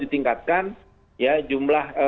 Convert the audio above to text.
ditingkatkan ya jumlah